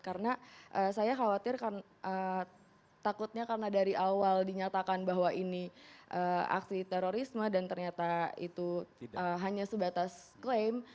karena saya khawatir takutnya karena dari awal dinyatakan bahwa ini aksi terorisme dan ternyata itu hanya sebatas klaim